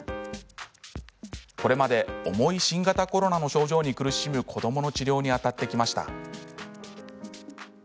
これまで重い新型コロナの症状に苦しむ子どもの治療にあたってきました。